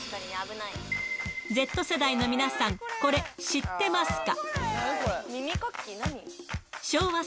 Ｚ世代の皆さん、これ、知ってますか？